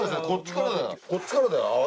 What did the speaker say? こっちからだよ。